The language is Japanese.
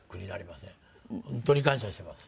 本当に感謝してます。